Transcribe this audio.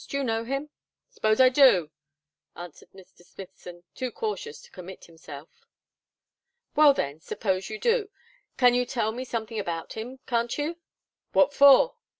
Do you know him?" "S'pose I do?" answered Mr. Smithson too cautious to commit himself. "Well then, s'pose you do you can tell me something about him, can't you?" "What for?"